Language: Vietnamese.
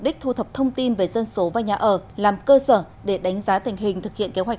đích thu thập thông tin về dân số và nhà ở làm cơ sở để đánh giá tình hình thực hiện kế hoạch